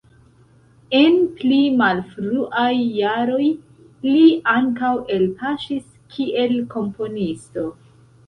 En pli malfruaj jaroj li ankaŭ elpaŝis kiel komponisto.